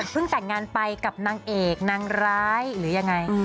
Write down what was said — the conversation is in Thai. แต่งงานไปกับนางเอกนางร้ายหรือยังไง